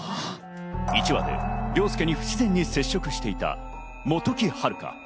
１話で凌介に不自然に接触していた、本木陽香。